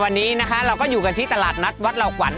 วันนี้นะคะเราก็อยู่กันที่ตลาดนัดวัดเหล่าขวัญ